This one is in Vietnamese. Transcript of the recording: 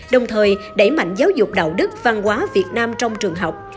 đồng thời đẩy mạnh giáo dục đạo đức văn hóa việt nam trong trường học